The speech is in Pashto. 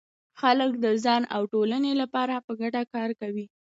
خلک د ځان او ټولنې لپاره په ګډه کار کوي.